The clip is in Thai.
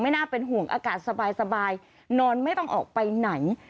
น่าเป็นห่วงอากาศสบายนอนไม่ต้องออกไปไหน